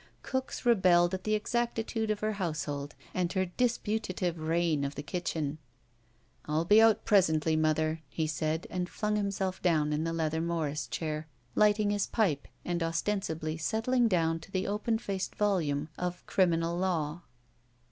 Cooks rebelled at the exactitude of her household and her disputative reign of the kitchen. I'll be out presently, mother," he said, and flung himself down in the leather Morris chair, lighting his pipe and ostensibly settling down to the open faced volume of Criminal Law.